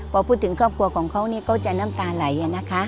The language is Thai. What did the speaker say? พอพูดถึงครอบครัวของเขาก็จะน้ำตาไหลนะคะ